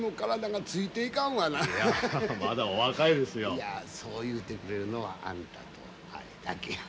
いやそう言うてくれるのはあんたとあれだけや。